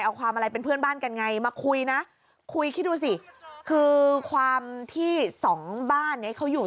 เอาความอะไรเป็นเพื่อนบ้านกันไงมาคุยนะคุยคิดดูสิคือความที่สองบ้านเนี้ยเขาอยู่